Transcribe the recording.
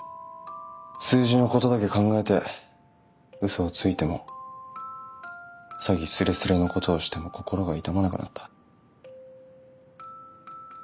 数字のことだけ考えて嘘をついても詐欺すれすれのことをしても心が痛まなくなった。